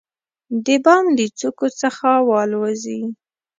د بام د څوکو څخه والوزي،